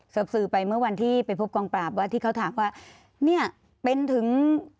สื่อไปเมื่อวันที่ไปพบกองปราบว่าที่เขาถามว่าเนี่ยเป็นถึง